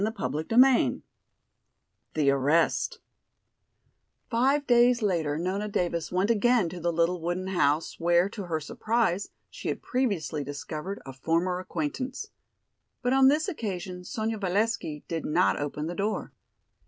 CHAPTER VI The Arrest Five days later Nona Davis went again to the little wooden house, where, to her surprise, she had previously discovered a former acquaintance. But on this occasion Sonya Valesky did not open the door.